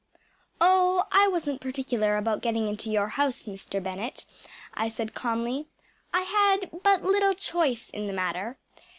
“Oh, I wasn’t particular about getting into your house, Mr. Bennett,‚ÄĚ I said calmly. “I had but little choice in the matter.